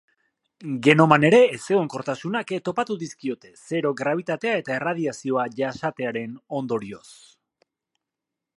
Genoman ere ezegonkortasunak topatu dizkiote, zero grabitatea eta erradiazioa jasatearen ondorioz.